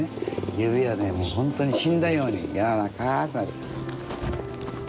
指は本当に死んだようにやわらかく。